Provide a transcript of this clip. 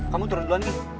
kamu turun duluan nih